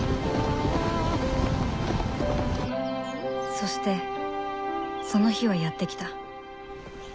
そしてその日はやって来た。